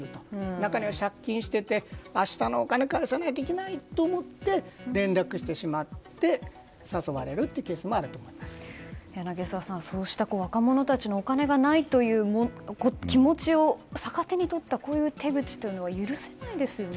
中には借金をしていて明日お金を返さないといけないと連絡してしまって誘われるというケースも柳澤さん、そうした若者たちのお金がないという気持ちを逆手に取ったこういう手口というのは許せないですよね。